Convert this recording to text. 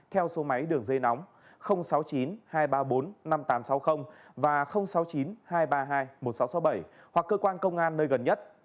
theo số máy đường dây nóng sáu mươi chín hai trăm ba mươi bốn năm nghìn tám trăm sáu mươi và sáu mươi chín hai trăm ba mươi hai một nghìn sáu trăm sáu mươi bảy hoặc cơ quan công an nơi gần nhất